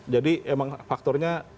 jadi emang faktornya